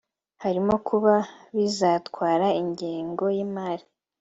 Harimo kuba bizatwara ingengo y’imari